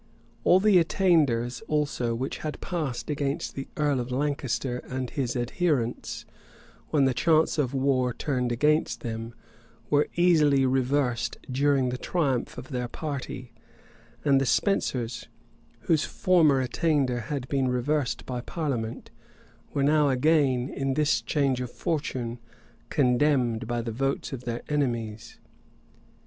All the attainders, also, which had passed against the earl of Lancaster and his adherents, when the chance of war turned against them, were easily reversed during the triumph of their party;[*] and the Spensers, whose former attainder had been reversed by parliament, were now again, in this change of fortune, condemned by the votes of their enemies.